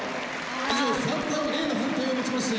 以上３対０の判定をもちまして。